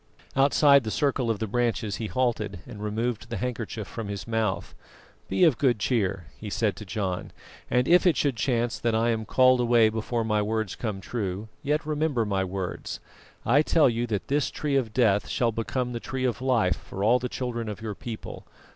Outside the circle of the branches he halted, and removed the handkerchief from his mouth. "Be of good cheer," he said to John, "and if it should chance that I am called away before my words come true, yet remember my words. I tell you that this Tree of Death shall become the Tree of Life for all the children of your people.